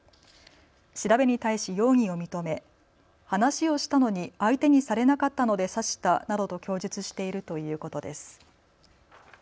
調べに対し容疑を認め話をしたのに相手にされなかったので刺したなどと供述しているということです。